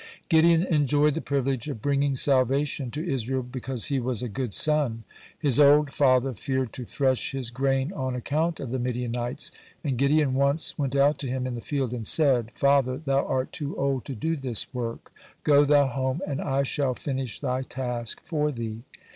(98) Gideon enjoyed the privilege of bringing salvation to Israel because he was a good son. His old father feared to thresh his grain on account of the Midianites, and Gideon once went out to him in the field and said: "Father, thou art too old to do this work; go thou home, and I shall finish thy task for thee.